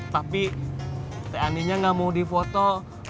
tapi t aninya gak mau difoto